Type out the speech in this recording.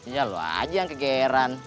ya loh aja yang kegeran